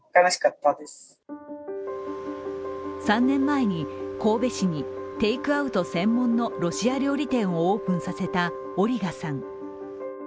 ３年前に神戸市にテークアウト専門のロシア料理店をオープンさせたオリガさん。